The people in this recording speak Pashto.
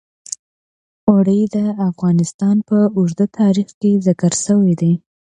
اوړي د افغانستان په اوږده تاریخ کې ذکر شوی دی.